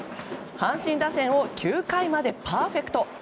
阪神打線を９回までパーフェクト。